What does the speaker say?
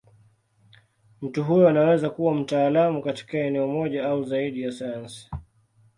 Mtu huyo anaweza kuwa mtaalamu katika eneo moja au zaidi ya sayansi.